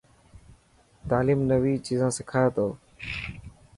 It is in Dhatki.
تعليم نوي چيزا سکائي تي.